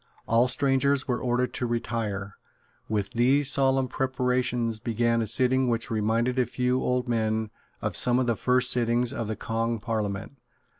All strangers were ordered to retire. With these solemn preparations began a sitting which reminded a few old men of some of the first sittings of the Kong Parliament.